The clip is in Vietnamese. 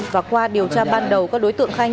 và qua điều tra ban đầu các đối tượng khai nhận